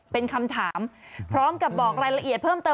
เป็นคำถามพร้อมกับบอกรายละเอียดเพิ่มเติม